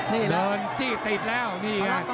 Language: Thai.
เดินจี้ติดแล้วนี่